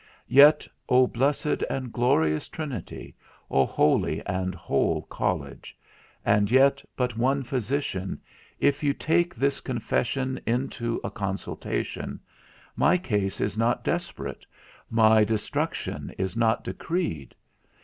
Yet, O blessed and glorious Trinity, O holy and whole college, and yet but one physician, if you take this confession into a consultation, my case is not desperate, my destruction is not decreed.